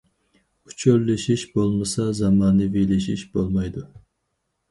ئۇچۇرلىشىش بولمىسا، زامانىۋىلىشىش بولمايدۇ.